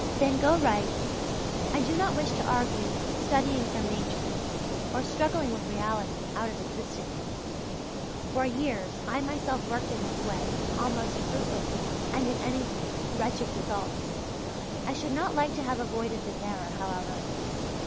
Van Gogh writes: "I do not wish to argue studying from nature, or struggling with reality, out of existence. For years I myself worked in this way with almost fruitless and in any case wretched results. I should not like to have avoided this error, however.